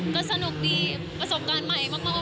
ก็สนุกดีประสบการณ์ใหม่มาก